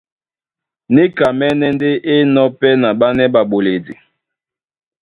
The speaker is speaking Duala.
Níkamɛ́nɛ́ ndé é enɔ̄ pɛ́ na ɓánɛ́ ɓaɓoledi.